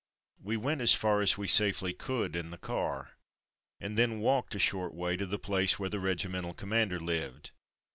We went as far as we safely could in the car, and then walked a short way to the place where the regimental commander lived.